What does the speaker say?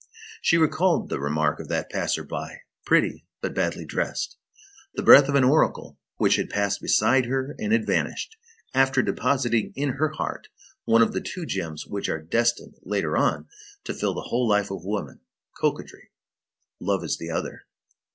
She recalled the remark of that passer by: "Pretty, but badly dressed," the breath of an oracle which had passed beside her and had vanished, after depositing in her heart one of the two germs which are destined, later on, to fill the whole life of woman, coquetry. Love is the other.